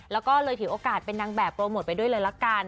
แล้วก็เลยถือโอกาสเป็นนางแบบโปรโมทไปด้วยเลยละกัน